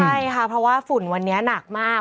ใช่ค่ะเพราะว่าฝุ่นวันนี้หนักมาก